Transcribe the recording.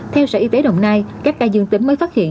theo sở y tế đồng nai các ca dương tính mới phát hiện